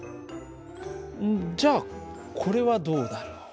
じゃあこれはどうだろう？